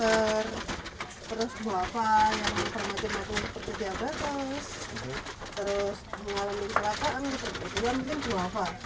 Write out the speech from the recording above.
terus mengalami kesalahan ya mungkin dua a